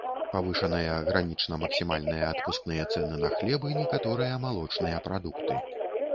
Павышаныя гранічна максімальныя адпускныя цэны на хлеб і некаторыя малочныя прадукты.